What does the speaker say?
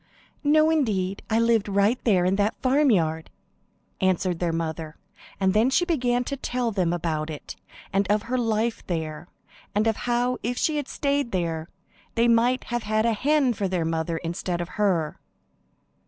"No, indeed; I lived right there in that farmyard," answered their mother; and then she began to tell them about it, and of her life there, and of how if she had stayed there they might have had a hen for their mother instead of her.